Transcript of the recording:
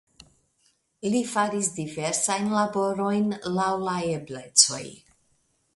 Li faris diversajn laborojn laŭ la eblecoj.